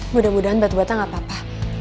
mudah mudahan batu bata nggak apa apa